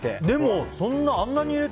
でも、そんなに。